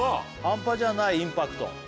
「ハンパじゃないインパクト」